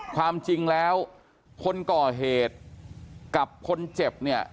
ความจริงแล้วคนก่อเหตุกับคนเจ็บเนี่ย